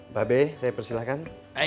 mbak b saya persilakan